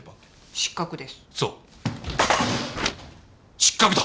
失格だ！